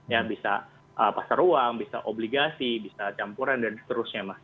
ya bisa pasar uang bisa obligasi bisa campuran dan seterusnya mas